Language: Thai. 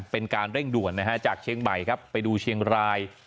เป็นการเร่งด่วนนะฮะจากเชียงใหม่ครับไปดูเชียงราย